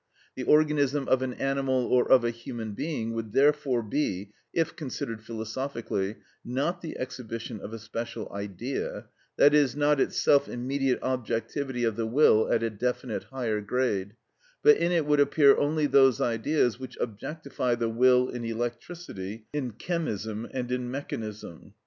The organism of an animal or of a human being would therefore be, if considered philosophically, not the exhibition of a special Idea, that is, not itself immediate objectivity of the will at a definite higher grade, but in it would appear only those Ideas which objectify the will in electricity, in chemism, and in mechanism.